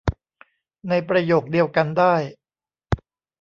ในประโยคเดียวกันได้